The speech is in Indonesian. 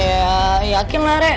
ya yakin lah rek